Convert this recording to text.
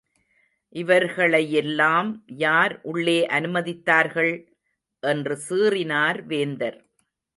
இவர்களையெல்லாம் யார் உள்ளே அனுமதித்தார்கள்? என்று சீறினார் வேந்தர்.